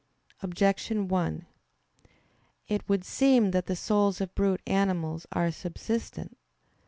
Objection 1: It would seem that the souls of brute animals are subsistent.